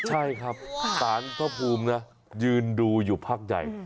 ใช่ครับสารพระภูมินะยืนดูอยู่พักใหญ่